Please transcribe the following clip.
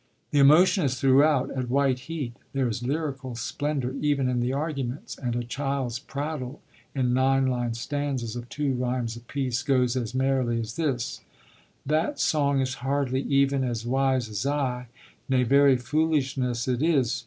The emotion is throughout at white heat; there is lyrical splendour even in the arguments: and a child's prattle, in nine line stanzas of two rhymes apiece, goes as merrily as this: That song is hardly even as wise as I Nay, very foolishness it is.